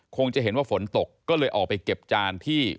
จะเห็นว่าฝนตกก็เลยออกไปเก็บจานที่